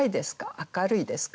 明るいですか？